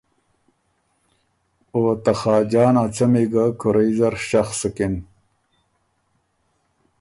او ته خاجان ا څمی ګۀ کُورئ زر شخ سُکِن۔